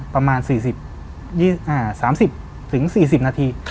ประมาณ๓๐๔๐นาที